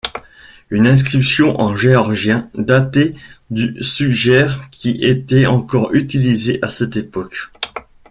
Une inscription en géorgien datée du suggère qu'il était encore utilisé à cette époque.